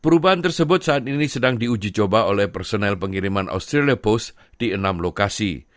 perubahan tersebut saat ini sedang diuji coba oleh personel pengiriman australia post di enam lokasi